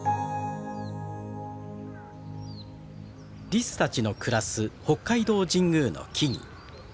リスたちの暮らす北海道神宮の木々。